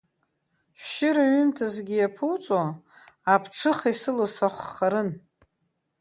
Шәшьыра ҩымҭазҭгьы иаԥуҵо, аԥҽыха исылоу сахәхарын.